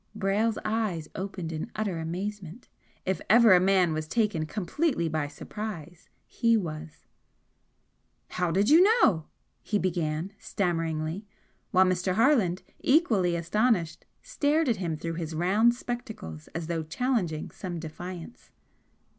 Brayle's eyes opened in utter amazement. If ever a man was taken completely by surprise, he was. "How did you know?" he began, stammeringly, while Mr. Harland, equally astonished, stared at him through his round spectacles as though challenging some defiance.